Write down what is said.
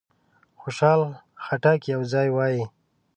خوشحال خټک یو ځای وایي.